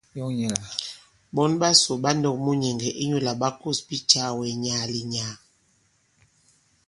Ɓɔ̌n ɓasò ɓa nɔ̄k munyɛ̀ŋgɛ̀ inyū lā ɓa kǒs bicàwɛ nyàà-lì- nyàà.